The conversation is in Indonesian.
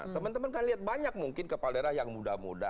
teman teman kan lihat banyak mungkin kepala daerah yang muda muda